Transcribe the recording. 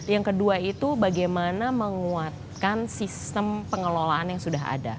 yang kedua itu bagaimana menguatkan sistem pengelolaan yang sudah ada